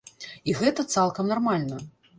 І гэта цалкам нармальна.